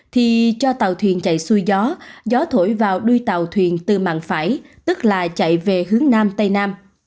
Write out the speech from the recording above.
thì cho tàu thuyền chạy xuôi gió gió thổi vào đuôi tàu thuyền từ mạng phải tức là chạy về hướng nam tây nam